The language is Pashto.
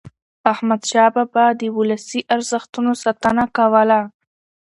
احمدشاه بابا د ولسي ارزښتونو ساتنه کوله.